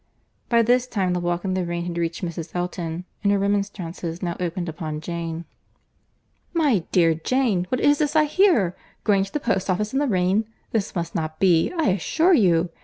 By this time, the walk in the rain had reached Mrs. Elton, and her remonstrances now opened upon Jane. "My dear Jane, what is this I hear?—Going to the post office in the rain!—This must not be, I assure you.